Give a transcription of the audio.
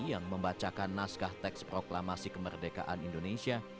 yang membacakan naskah teks proklamasi kemerdekaan indonesia